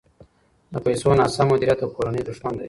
د پیسو ناسم مدیریت د کورنۍ دښمن دی.